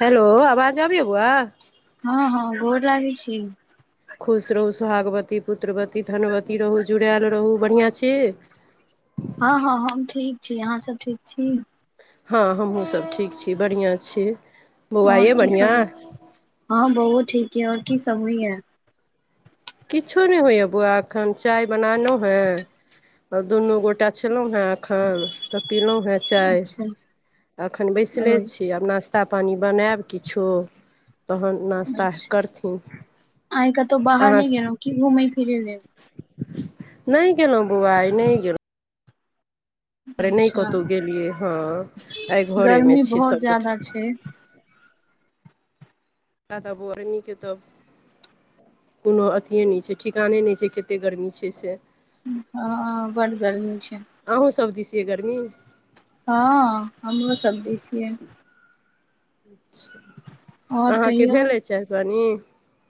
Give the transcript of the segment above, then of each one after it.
hello आवाज आबैये बौआ हँ हँ गोर लागै छी खुश रहू सोहागवती पुत्रवती धनवती रहू जुड़ायल रहू बढ़ियां छी हँ हँ हम ठीक छी अहाँ सब ठीक छी बढ़ियां छी बौआ आओर यै की बढ़िआँ सब होइ हाँ बौऔ ठीक यै आओर की सभ होइये किछो नहि हौइए बौआ एखन चाय बनेलौ हेँ आ दुनू गोटा छेलौ हें अखन तऽ पिलौ हें चाय अच्छा एखन बैसले ओ छी आब नाश्ता पानि बनैब किछो तहन नाश्ता अच्छा करथिन आइ कतहु बाहर अहाँ नहि गेलौ की घूमै फिरै लेल नहि गेलौं बौआ आइ नहि गेलौं अरे नहि अच्छा कतौ गेलियै हँ आइ घरेमे गर्मी छीयै बहुत सभगोटा ज्यादा [inaudible] छै किये तऽ बौआ तऽ नै खेतौ [unintelligible] कोनो अथिए नहि छै ठिकाने नहि छै केते गर्मी छै से हँ बड्ड गर्मी छै अहूँसभ दिस गर्मी हँ हमरो सब दिस यै और अहाँके कहियौ भेलै चाइ पानी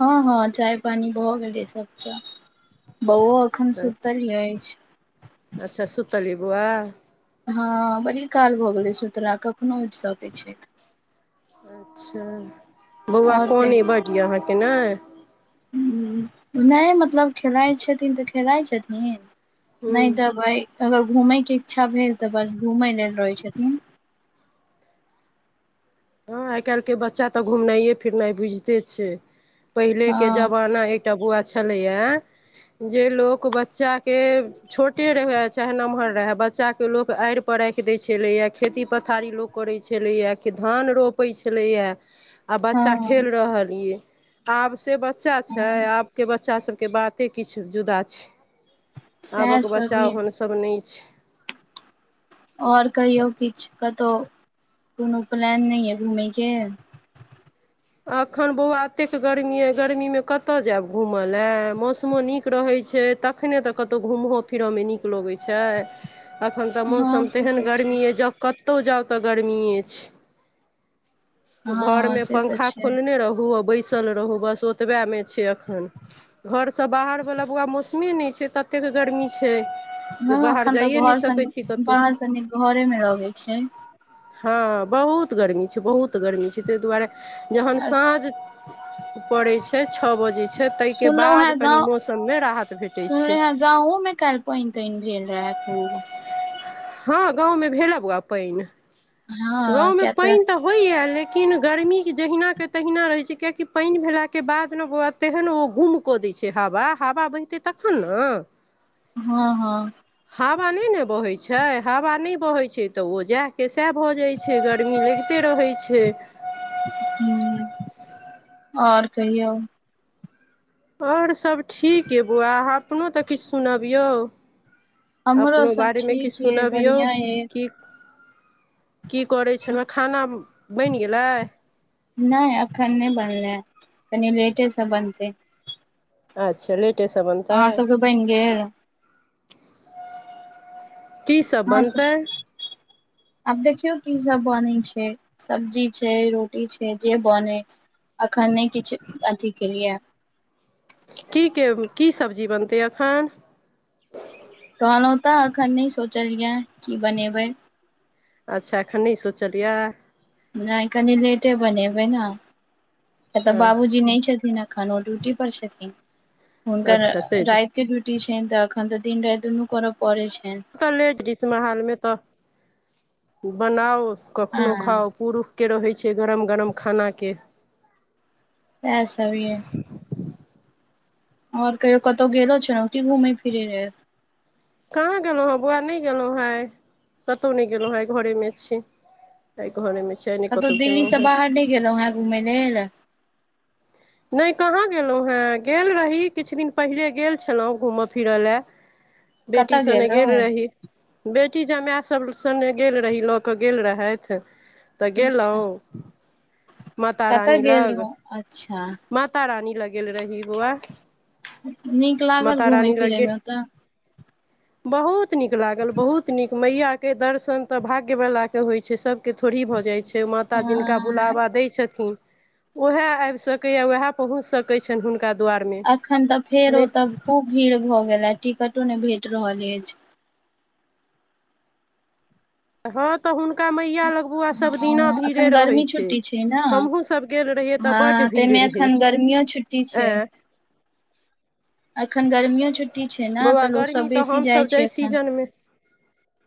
हँ हँ चाय पानी भऽ गेलै सब टा बौऔ अखन अच्छा सुतल अछि वाह हँ बड़ी काल भऽ गेलै सुथरा कखनो उठि सकैत छैथ अच्छा बौआ और कोन कहि बड यए अहाँके ने नहि मतलब खेलाइत छथिन तऽ खेलाइत छथिन हूँ नहि तऽ भइ अगर घूमय के इच्छा भेल तऽ बस घूमय लेल रहै छथिन हँ आइ काल्हिके बच्चा तऽ घुमनाइए फिरनाइ बुझिते छै पहिले के हँ जमाना एकटा बौआ छै छलैये जे लोक बच्चाके छोटे रहै आ चाहे नम्हर रहे बच्च बच्चाके लोक आड़ि पर राखि दै छेलैए खेती पथारी लोक करै छेलैये धान रोपै छेलैये आ बच्चा हँ खेल रहल यै आब से बच्चा छै हँ आबके बच्चा सभके बाते किछु जुदा छै सएह आबक सब बच्चा य ओहन सभ नहि छै आओर कहियो किछु कतौ कोनो प्लान नैऐ घूमै के अखन बौआ अतेक गर्मीए गर्मीमे कत जैब घूमलै मौसमो नीक रहैत छै तखने तऽ कतौ घूमहो फिरहोमे नीक लगैत छै एखन तऽ हँ मौसम से तेहन तऽ छै गर्मी अइ जे कतहु जाउ तऽ गर्मिए छै हँ घरमे से तऽ पंखा छै खोलने रहु आ बैस तल रहू बस ओतबे मे छै अखन घरसँ बाहर वला बौआ मौसमे नहि छै ततेक गर्मी छै हँ जे बाहर अखन तऽ जाइए नहि घरसँ सकै छी नी कतहु बाहरसँ नीक घरेमे लगै छै हँ बहुत गर्मी छै बहुत गर्मी छै ताहि दुआरे जहन साँझ पड़ै छै छौ बजे सुनलौं हें गाँव राहत भेटै छै सुनलौं हें गाँवों मे कल्हि पाइन ताइन भेल रहै [inaudible] हँ गाँवमे भेल बौआ पानि हँ गाँवमे किया पानि तऽ होइया लेकिन लेकिन गर्मी जहिना के तहिना रहे छै कियाकि पानि भेला के बाद न ब तेहन नै ओ गुम क देय छै हवा हवा बहितै तखन ने हँ हँ हवा नहि ने बहै छै हवा नहि बहे छै तऽ ओ जैह के सएह भऽ जाय छै गर्मी रहिते छै रहै छै हँ आओर कहियो आओर सभ ठीक यै बौआ अहाँ अपनो तऽ किछु सुनबियौ हमरो अपनो सब बारेमे किछु ठीक यै सुनबियौ बढ़िया यै की की करय छैलो खाना बनि गेलै नहि एखन नहि बनलै ह कनि लेटेसँ बनतै अच्छा लेकिन अहाँसभके बनि गेल की सभ अहाँ बनतै सब आब देखियौ की सब बनय छै सब्जी छै रोटी छै जे बनय अखन नहि किछु अथी केलिये कीके की सब्जी बनते अखन कहलहुँ तऽ अखन नहि सोचलिय कि बनेबै अच्छा एखन सोचलियए नहि कनि लेटे बनेबै ना कियाक तँ बाबूजी अच्छा नहि छथिन एखन ओ ड्यूटी पर छथिन हुनकर तै रात के ड्यूटी छुट्टी छनि तऽ एखन तऽ दिन राति दुनू करए परय छनि तऽ लेट गीस्म हालमे तऽ बनाउ कखनहु हँ खाउ पुरुषके रहै छै गरम गरम खानाके सैह सभ यै आओर कहियो कतहु गेलो छेलोए घुमय फिरै ल कहाँ गेलहुँ हैँ बौआ नहि गेलहुँ हेँ कतहु नहि गेलहुँ आइह घरेमे छी तै घरमे छी आइ नहि कतहु गेलहुँ दिल्लीसँ हेँ बाहर नहि गेलहुँ हाँ घूमय लेल नहि कहाँ गेलहुँ हेँ गेल रही किछु दिन पहिले गेल छलहुँ घूमय फिरय लेल बेटी कतऽ सने गेल रहौं रही बेट बेटी जमाय सभ सङ्ग गेल रही लऽ कऽ गेल रहथि तऽ अच्छा गेलहुँ माता कतऽ रानी गेल लग रहौं अच्छा माता रानी लग गेल रही बौआ नीक लागल माता घूमय रानी लग फिरय गेल मे ओतऽ बहुत नीक लागल बहुत नीक मैया के दर्शन तऽ भाग्यवालाक के होइ छै सभ सभकेँ थोड़ी भऽ जाइ छै अ माता जिनका बुलावा दै छथिन ओहय आबि सकैए वह पहुँच सकैत छनि हुनका दुआरमे अखन तऽ फेर नहि ओतऽ खूब भीड़ भऽ गेलै टिकटो नहि भेट रहल अछि हँ तऽ हुन का मैया लगबुआ सभ दिना हँ भीड़े अखन रहे गर्मी छै छुट्टी ने हमहुं सभ गेल रहियै त बड हँ ताहिमे भीड़ रहे एखन गर्मियो छुट्टी छै आँ एखन गर्मियो छुट्टी छै ने बौआ तऽ लोक गर्मी सब तऽ बेसी जाइ हमसभ छै जहि एखन सीजनमे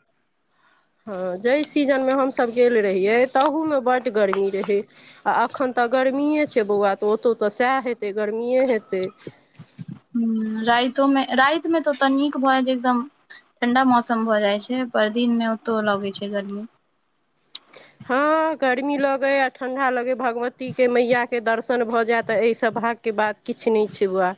[inaudible] हँ जहि सीजन मे हमसभ गेल रहिय ताहू मे बड गर्मी रहे आ अखन तऽ गर गर्मीए छै बौआ तऽ ओतहु तऽ सएह हेतै गर्मीए हेतै हूं राइतोमे रातिमे तऽ ओतह नीक भए जे एकदम ठण्डा मौसम भऽ जाइत छै पर दिनमे ओतह लगैत छै गर्मी हँ गर्मी लगे आ ठंडा लगे भगवती के मैया के दर्शन भऽ जाय तऽ एहि स भागके बात किछु नहि छै बौआ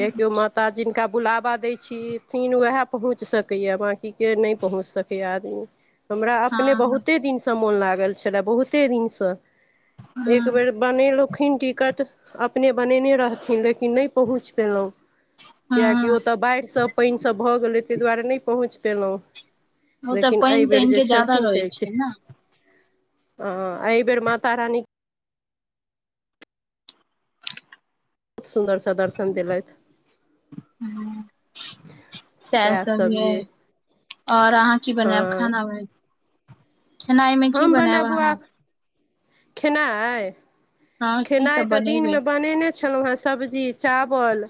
क को माता जीनका बुलावा दै छीथीन उहै पहुँच सकै य बाँकीके नहि पहुँच सकै य आदमी हमरा हँ अपने बहुते दिनसँ मोन लागल छलय बहुते दिनसँ एक हँ बेर बनेलखिन टिकट अपने बनेने रहथिन लेक न नै पहुंच पयलहुं किया कि हँ ओत्तअ बाइढ सब पईन सब भऽ गेलै ताहि दुआरे नहि पहुँच पयेलहुँ ओतऽ लेकिन पानि एहिबेर तानि जे के ज्यादा छलखिन से रहै छै ने ह एहि बेेर माता राानी बहुत सुन्दरसँ दर्शन देलथि हँ सएह सभ य आओर अहाँ की बनायब हँ खानामे हम बनायब बौआ खेनाइ हँ की खेनाइ सब तऽ बनेबै दिनमे बनेने छलहुँ हेँ सब्जी चावल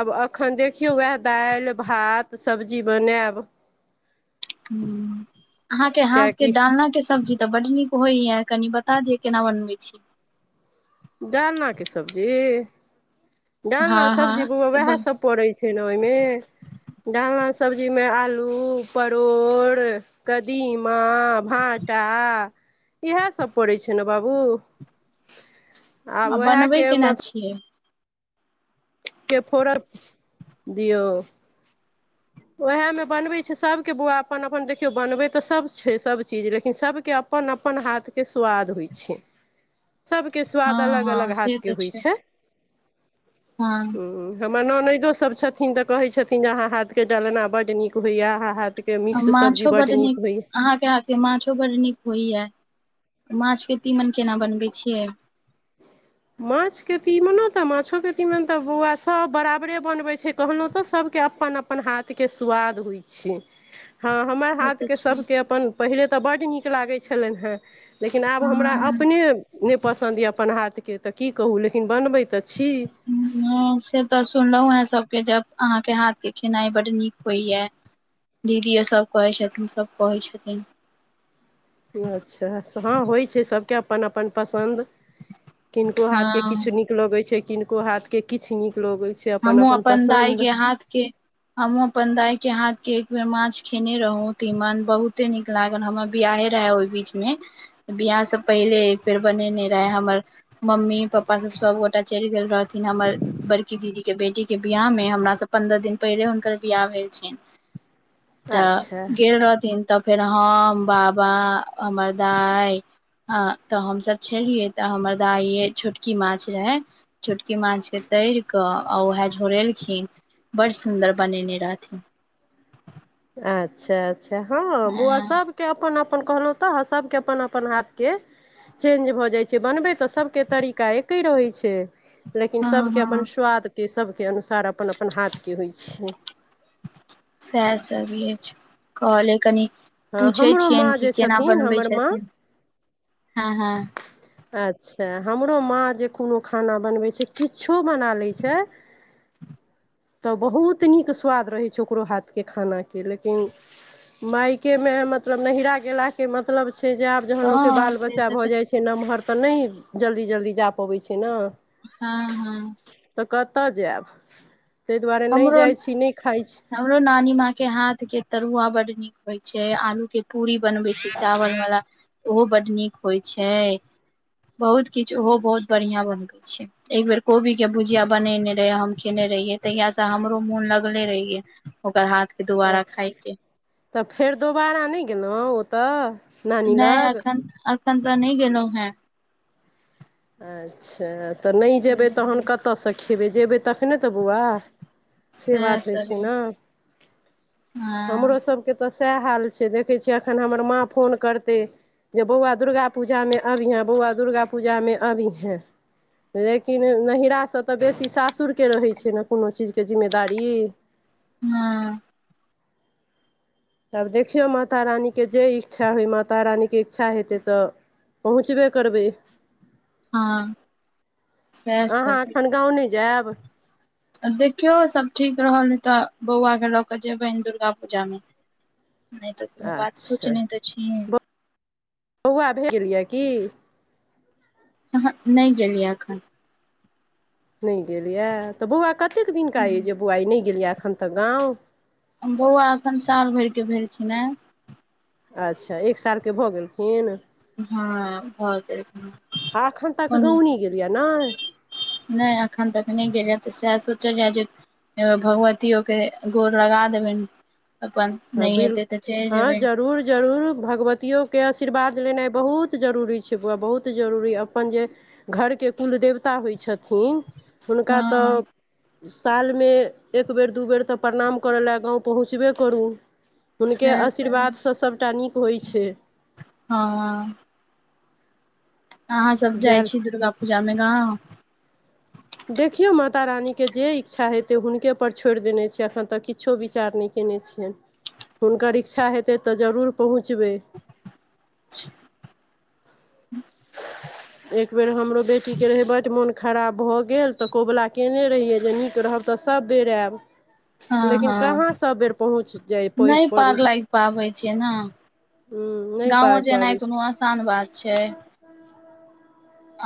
आब एखन देखियौ उएह दालि भात सब्जी बनायब अहाँके हाथ के किएकि डालना के सब्जी तऽ बड्ड नीक होइय कनि बता दिय केना बनबै छी डालनाके सब्जी डालना हँ सब्जी हँ बौआ उहै सभ पड़ैत छै ने ओहिमे डालना सब्जीमे आलू परोड़ कदीमा भाँटा इएहसभ पड़ै छै ने बाबू आब बनबै उएहके म केना छियै के फोड़र दियौ उएहमे बनबैत छै सभके बौआ अपन अपन देखियौ बनबै तऽ सभ छै सभचीज लेकिन सभके अपन अपन हाथके सोआद होइ छै सबके हँ स्वाद अलग अलग हँ हाथ से के तऽ होइ छै हँ म ननैदो सब छथिन तऽ कहे छथिन जे अहाँ हाथ के डालना बड नीक होइया अहाँ हाथ माछो बड नीक अहाँके हाथे माछो बड नीक होइए माछके तीमन केना बनबै छियै माछके तीमनो तऽ माछोके तीमन तऽ बौआ सभ बराबरे बनबैत छै कहलहु तऽ सभ अपन अपन हाथ के स्वाद होइ छै हँ हमर बहुत हाथके अच्छा सभके अपन पहिले तऽ बड्ड नीक लागै छलनि हेँ लेकिन आब हमरा हँ अपने नहि पसन्द यऽ अपन हाथ के तऽ की कहु लेकिन बनबे तऽ छी ह से तऽ सुनलहुं हें सबके जब अहा के हाथ के खेनाई बड नीक होइ या दीदिओ सभ कहै छथिन सभ कहै छथिन अच्छा हँ होइ छै सभके अपन अपन पसन्द किनको हाथ के हँ किछु नीक लगै छै किनको हाथ के किछु नीक लगैत छै हमहु अपन दाय पसन्द के हाथ के हमू अपन दाइ के हाथ के एक बेर माछ खेने रहौ तीमन बहुते नीक लागल हमर बियाहे रहै ओहि बीच मे बियाह सब पहिले एक बेेर बनेने रहे हमर मम्मी पपा सब सबगोटा चलि गेल रहथिन हमर बड़की दीदी के बेटी के बियाह मे हमरा स पंन्द्रह दिन पहिले हुनकर बियाह भेल छनि तऽ अच्छा गेल रहथिन तब फेर हम बाबा हमर दाय ह तऽ हमसभ छलियै तऽ हमर दाइये छोटकी माछ रहे छोटकी माछ के तइर कऽ आ उएह झोरेलखिन बड़ सुन्दर बनेने रहथिन अच्छा अच्छा हँ बौआ सबके अपन अप अपन कहलहुँ तऽ सभके अपन अपन हाथके चेंज भऽ जाइ छै बनबै तऽ सभके तरीका एके रहै छै लेकिन सभके हँ अपन स्वादके सभके अनुसार अपन अपन हाथके होइ छै सएह सबी अछि कहले कनी हँ पूछै हमरो माँ छियनि कि जे केना छथिन बनबै हमर माँ छथिन हँ हँ अच्छा हमरो माँ जे कोनो खाना बनबैत छै किछो बना लैय छै तऽ बहुत नीक स्वाद रहै छै ओकरो हाथके खानाके लेकिन मायके मे मतलब नहीरा गेला के मतलब छै छै जे आब जहन लोकके हँ बाल से बच्चा तऽ भऽ जाइ छै नमहर तऽ नहि जल्दी जल्दी जा पबैऽ छै ने हँ हँ तऽ कतऽ जायब ताहि दुआरे नहि हमरो जाइ छी नहि खाइ छी हमरो नानी माँ के हाथ के तरुआ बड्ड नीक होइ छै आलू के पूरी बनबै छै चावल वाला ओहो बड्ड नीक होइ छै बहुत किछु ओहो बहुत बढ़िया बनबैय छै एक बेेर कोबी के भुजिया बनेने रहे हम खेने रहियै तहिया से हमरो मोन लगले रहिये ओकर हाथ के अ दुबारा खाय के तऽ फेर दोबारा नहि गेलहुँ ओतऽ नानी नहि लग एखन एखन तऽ नहि गेलहुँ हें अच्छा तऽ नहि जेयबै तखन कतयसँ खेबै जयबै तखने तऽ बौआ से सएह बात होइ सब छै य न हमरो हँ सभके तऽ सएह हाल छै देखै छियै एखन हमर माँ फोन करतै जे बौआ दुर्गा पूजा में अभीहें बौआा दुर्गा पूजा में अभीहें लेकिन नहिरासँ तऽ बेसी सासुरके रहै छै ने कोनो चीजके जिम्मेदारी हँ तब देखियौ माता रानीके जे इच्छा होय माता रानीके इच्छा हेतै तऽ पहुँचबे करबै हँ सएह अहाँ अखन गाँव नहि जायब आ देखियौ सभ ठीक रहल ह तऽ बौआकेँ लऽ कऽ जेयबै दुर्गा पूजामे [unintelligible] नहि तऽ कोनो बात सोच नहि तऽ छी बौउआ भे गेल यए की ह नहि गेलिये एखन नहि गेलैए तऽ बौआ कतेक दिनका य जे बौआ नहि गेल यए एखन तऽ गाम हम बौआ एखन साल भरे भेलखिन हेँ अच्छा एक सालके भऽ गेलखिन हँ भऽ आ एखन तक कोन गाँव नहि गेल यए नहि नहि एखन तऽख नहि गेल तऽ सएह सोचल जाए जे भगवतियोके गोर लगा देबनि अपन हँ नहि बिल हेतै तऽ चलि हँ जेबै जरूर जरूर भगवतियो के आशीर्वाद लेनाइ बहुत जरूरी छै बौआ बहुत जरूरी अपन जे घरके कुलदेवता होइ छथिन हुनका हँ तऽ सालमे एक बेर दू बेर तऽ प्रणाम करय लेलए गाँव पहुँचबे करू हुनके सएह सही आशीर्वादसँ सभटा नीक होइ छै हँ अहाँ सभ जाइ जायल छी दुर्ग पूजामे गाँव देखियौ माता रानीके जे इच्छा हेतै हुनके पर छोड़ि देने छ एखन तक किछो विचार नहि क केने छियनि हुनकर इच्छा हेतै तऽ जरूर पहुँचबै [unintelligible] एक बेर हमरो बेटीके रहै बड मोन खराब भऽ गेल तऽ कबुला कयने रहियै जे नीक रहब तऽ सभ बेर आयब हँ लेकिन कहाँ हँ सभ बेर पहुँच जाय पहुँच नहि पबै पार छै लाग पाबै छैय न हूँ नहि गाँवो पाबि पाबै जेनाइ कोनो छै आसान बात छै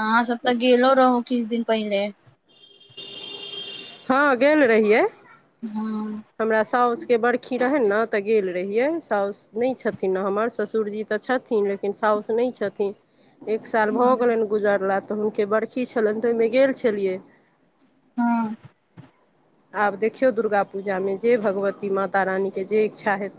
अहाँ सब तऽ गेलो रहू किछु दिन पहिले हँ गेल रहियै हँ हमरा साउस के बर्खी रहै ने तऽ गेल रहियै साउस नहि छथिन न हमर ससुरजी तऽ छथिन लेकिन सा साउस नहि छथिन एक साल भऽ हँ गेलन गुजरला तऽ हुनके बर्खी छलनि तऽ ओहिमे गेल छलियै हँ आब देखियौ दुर्गा पूजामे जे भगवती माता रानीके जे इच्छा हेतै